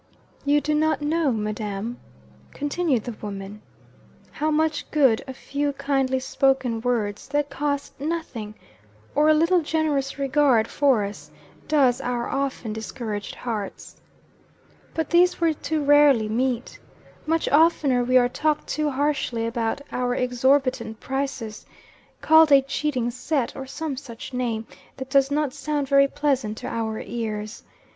"You do not know, madam," continued the woman, "how much good a few kindly spoken words, that cost nothing, or a little generous regard for us, does our often discouraged hearts. But these we too rarely meet. Much oftener we are talked to harshly about our exorbitant prices called a cheating set or some such name that does not sound very pleasant to our ears.